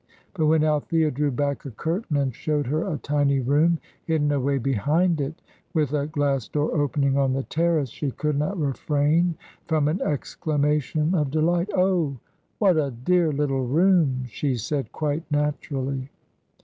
But when Althea drew back a curtain and showed her a tiny room hidden away behind it, with a glass door opening on the terrace, she could not refrain from an exclamation of delight. "Oh, what a dear little room!" she said, quite naturally.